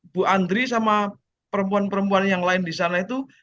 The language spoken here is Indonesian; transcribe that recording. bu andri sama perempuan perempuan yang lain di sana itu